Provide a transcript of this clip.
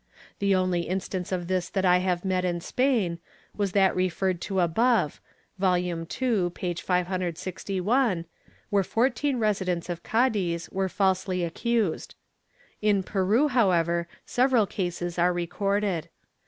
The only instance of this that I have met in Spain was that referred to above (Vol. II, p. 561), where fourteen residents of Cadiz were falsely accused. In Peru, however, several cases are recorded.